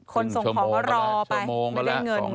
คนส่งของก็รอไป